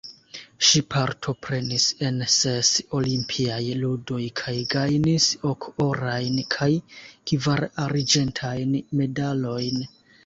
Ŝi partoprenis en ses Olimpiaj Ludoj kaj gajnis ok orajn kaj kvar arĝentajn medalojn.